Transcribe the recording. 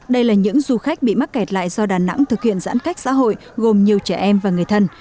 đây là những du khách bị mắc kẹt lại do đà nẵng thực hiện giãn cách xã hội gồm nhiều trẻ em và người thân